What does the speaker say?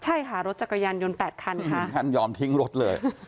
ใช่ค่ะรถจักรยานยนต์แปดคันค่ะหยอมทิ้งรถเลย